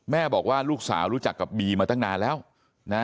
บอกว่าลูกสาวรู้จักกับบีมาตั้งนานแล้วนะ